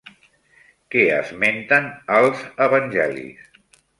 Què esmenten als evangelis?